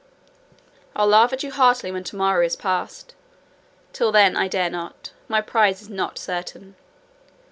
"I'll laugh at you heartily when to morrow is past; till then I dare not: my prize is not certain.